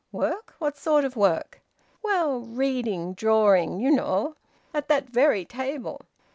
"Work? What sort of work?" "Well reading, drawing, you know... At that very table."